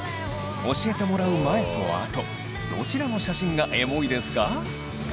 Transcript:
教えてもらう前と後どちらの写真がエモいですか？